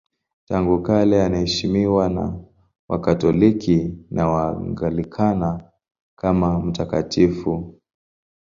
Tangu kale anaheshimiwa na Wakatoliki na Waanglikana kama mtakatifu.